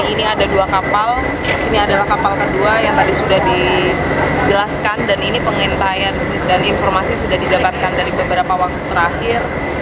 ini adalah kapal kedua yang tadi sudah dijelaskan dan ini pengintayan dan informasi sudah didapatkan dari beberapa waktu terakhir